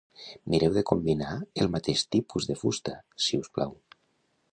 Mireu de combinar el mateix tipus de fusta, siusplau.